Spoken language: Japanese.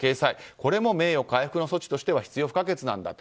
これも名誉回復の措置としては必要不可欠なんだと。